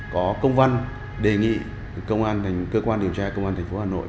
có công văn đề nghị cơ quan điều tra công an tp hà nội